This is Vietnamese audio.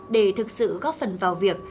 để thực sự góp phần vào việc